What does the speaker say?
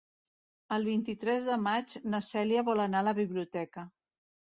El vint-i-tres de maig na Cèlia vol anar a la biblioteca.